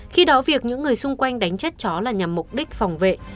khi đó việc những người xung quanh đánh chết chó là nhằm mục đích phòng vệ